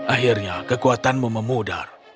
akhirnya kekuatanmu memudar